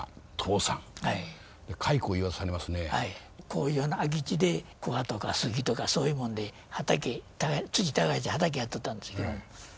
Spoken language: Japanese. こういうような空き地でくわとかすきとかそういうもんで土耕して畑やっとったんですけど。